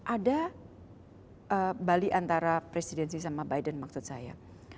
ada bali antara presidensi sama biden maksud saya